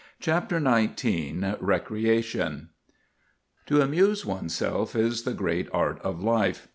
CHAPTER XIX RECREATION To amuse oneself is the great art of life.